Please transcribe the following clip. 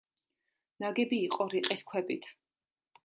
ნაგები იყო რიყის ქვებით.